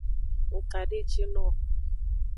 Ng kandejinowo.